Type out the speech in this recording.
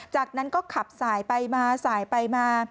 จากนั้นก็ขับสายไปมาสายไปมา